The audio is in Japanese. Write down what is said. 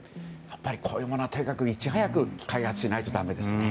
やっぱりこういうものはいち早く開発しないとだめですね。